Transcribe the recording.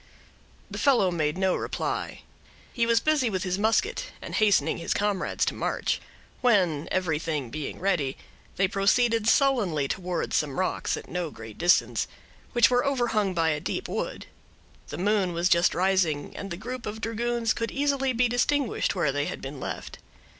The fellow made no reply. He was busy with his musket, and hastening his comrades to march; when, everything being ready, they proceeded sullenly towards some rocks at no great distance, which were overhung by a deep wood. The moon was just rising, and the group of dragoons could easily be distinguished where they had been left.